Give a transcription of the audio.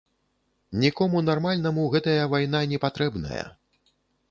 Нікому нармальнаму гэтая вайна не патрэбная.